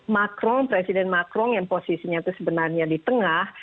macron presiden macron yang posisinya itu sebenarnya di tengah